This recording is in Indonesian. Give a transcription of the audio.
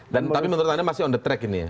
tapi menurut anda masih on the track ini ya